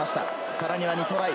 さらには２トライ。